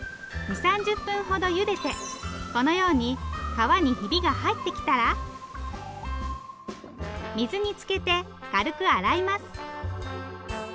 ２０３０分ほどゆでてこのように皮にひびが入ってきたら水につけて軽く洗います。